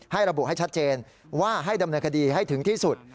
ระบุให้ชัดเจนว่าให้ดำเนินคดีให้ถึงที่สุด